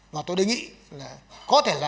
và tôi đề nghị là có thể là